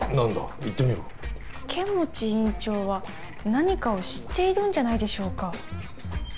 言ってみろ剣持院長は何かを知っているんじゃないでしょうか？